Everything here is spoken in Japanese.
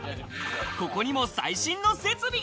ここにも最新の設備が。